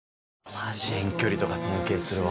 まじ遠距離とか尊敬するわ。